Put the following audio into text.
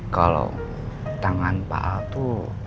kalau tangan pak al itu